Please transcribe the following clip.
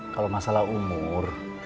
kalau masalah umur